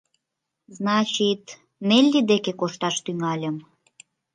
— Значит, Нелли деке кошташ тӱҥальым.